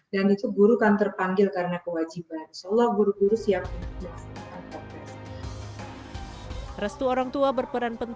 dan itu guru kan terpanggil karena kewajiban